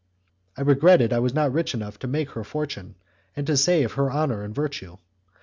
I regretted I was not rich enough to make her fortune, and to save her honour and her virtue.